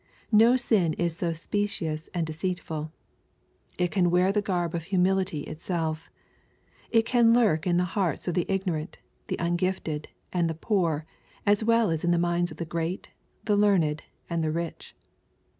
— No sin is so specious and deceitful. . It can wear the garb of humility itself It can lurk in the hearts of the ignorant, the ungifted, and the poor, as well as in the minds of the great, the learned, and the rich.